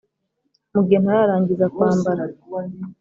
. Mu gihe ntararangiza kwambara,